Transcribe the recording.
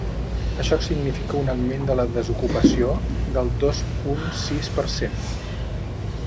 Això significa un augment de la desocupació del dos punt sis per cent.